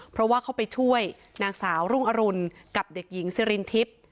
เพราะว่าเขาไปช่วยนางสาวรุ่งอรุณกับเด็กหญิงซิรินทิพย์